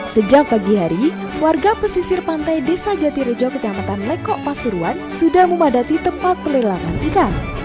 sejak pagi hari warga pesisir pantai desa jatirejo kecamatan lekok pasuruan sudah memadati tempat pelelangan ikan